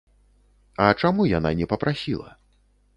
А чаму яна не папрасіла?